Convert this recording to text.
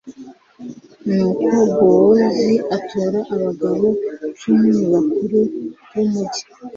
nuko bowozi atora abagabo cumi mu bakuru b'umugi